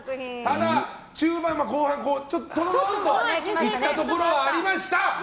ただ、中盤と後半はちょっといったところはありました。